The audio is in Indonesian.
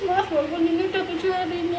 masih inget terus